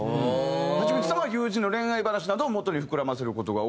橋口さんは友人の恋愛話などをもとに膨らませる事が多い。